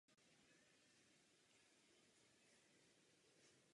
Také bych chtěla poblahopřát přímo panu Toubonovi za její přípravu.